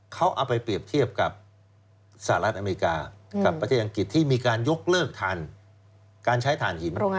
เขาเอาไปเปรียบเทียบกับสหรัฐอเมริกากับประเทศอังกฤษที่มีการยกเลิกฐานการใช้ฐานหิน